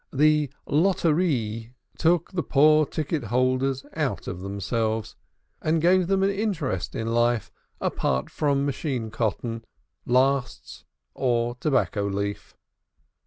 The lottery took the poor ticket holders out of themselves, and gave them an interest in life apart from machine cotton, lasts or tobacco leaf.